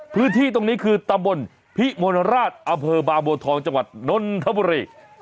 พื้นที่ตรงนี้คือตะบ่นพี่มณราชอเผอร์บาโมทองจังหวัดนนทบุรี